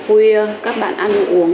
thì cái tình trạng loãng xương